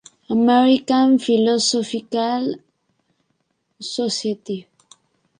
American Philosophical Society